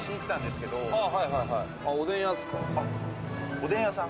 おでん屋さん？